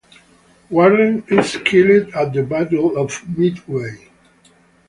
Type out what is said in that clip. Warren is killed at the battle of Midway.